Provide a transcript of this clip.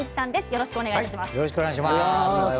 よろしくお願いします。